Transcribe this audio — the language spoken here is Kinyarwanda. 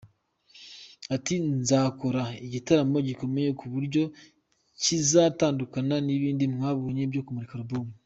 Ati “Nzakora igitaramo gikomeye ku buryo kizatandukana n’ibindi mwabonye byo kumurika album.